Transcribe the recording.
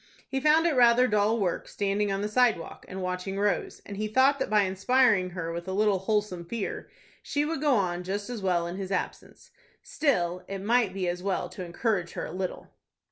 He found it rather dull work, standing on the sidewalk and watching Rose, and he thought that by inspiring her with a little wholesome fear, she would go on just as well in his absence. Still it might be as well to encourage her a little.